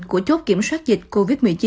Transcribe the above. của chốt kiểm soát dịch covid một mươi chín